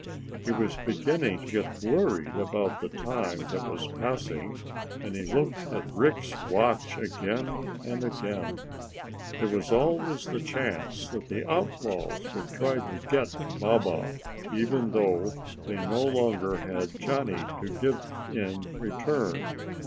He was beginning to get worried about the time that was passing, and he looked at Rick's watch again and again. There was always the chance that the outlaws would try to get Baba, even though they no longer had Johnny to give in return.